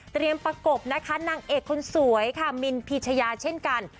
ประกบนะคะนางเอกคนสวยค่ะมินพีชยาเช่นกัน